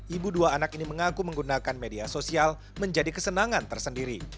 ibu dua anak ini mengaku menggunakan media sosial menjadi kesenangan tersendiri